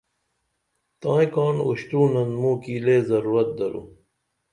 تائی کاڻ اُشتُرُونن موں کی لے ضرورت درو